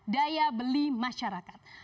daya beli masyarakat